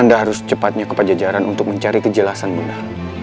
nanda harus cepatnya ke pajajaran untuk mencari kejelasan bunda